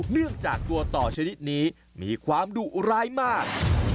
เนื่องจากตัวต่อชนิดนี้มีความดุร้ายมาก